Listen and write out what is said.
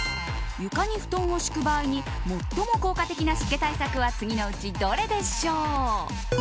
床に布団を敷く場合に最も効果的な湿気対策は次のうち、どれでしょう？